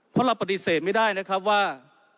เพราะเราปฏิเสธไม่ได้นะครับว่า